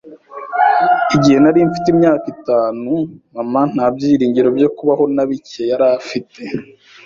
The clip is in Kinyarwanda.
Igihe nari mfite imyaka itanu Mama nta byiringiro byo kubaho na bike yari afite